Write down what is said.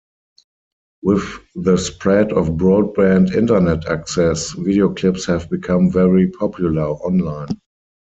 With the spread of broadband Internet access, video clips have become very popular online.